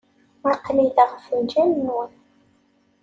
Aql-i da ɣef lǧal-nwen.